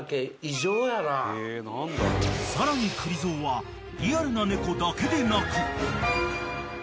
［さらにくり蔵はリアルな猫だけでなく］